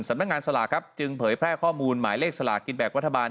สำนักงานสลากครับจึงเผยแพร่ข้อมูลหมายเลขสลากินแบ่งรัฐบาล